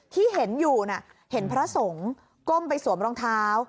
ที่เห็นอยู่น่ะเห็นพระสงฆ์ก้มไปสวมรองเท้า